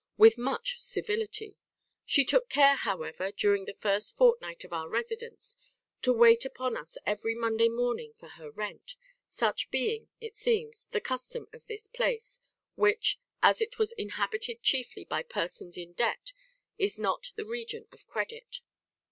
with much civility; she took care, however, during the first fortnight of our residence, to wait upon us every Monday morning for her rent; such being, it seems, the custom of this place, which, as it was inhabited chiefly by persons in debt, is not the region of credit.